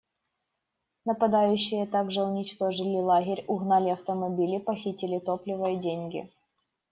Нападающие также уничтожили лагерь, угнали автомобили, похитили топливо и деньги.